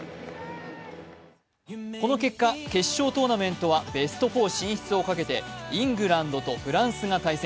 この結果、決勝トーナメントはベスト４進出をかけてイングランドとフランスが対戦。